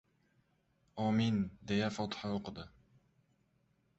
— Omin! — deya fotiha o‘qidi.